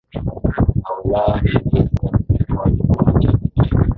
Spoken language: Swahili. na Ulaya na Asia Kuinua kiburi cha kitaifa